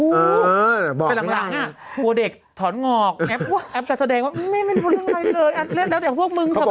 เขาบอกแก่ลงน่ะ